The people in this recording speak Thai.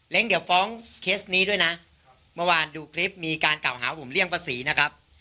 เดี๋ยวฟ้องเคสนี้ด้วยนะเมื่อวานดูคลิปมีการกล่าวหาว่าผมเลี่ยงภาษีนะครับ